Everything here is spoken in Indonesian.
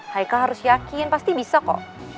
haikal harus yakin pasti bisa kok